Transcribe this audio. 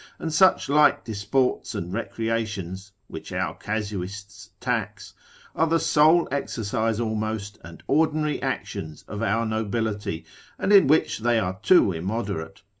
and such like disports and recreations (which our casuists tax), are the sole exercise almost, and ordinary actions of our nobility, and in which they are too immoderate.